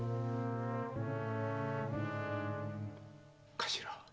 頭